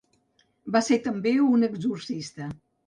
Va ser també un exorcista.